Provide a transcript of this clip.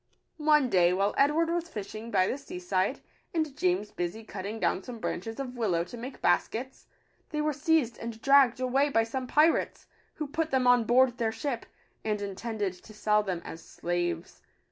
One day, while Edward was fishing by the sea side, and James busy cutting down some branches of willow to make baskets, they were seized and dragged away by some pirates, who put them on board their ship, and intended to sell them as slaves.